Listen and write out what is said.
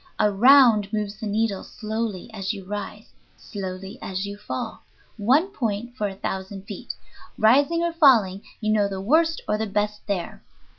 Around moves the needle slowly as you rise, slowly as you fall, one point for a thousand feet. Rising or falling, you know the worst or the best there.